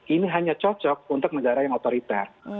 ini hanya cocok untuk negara yang otoriter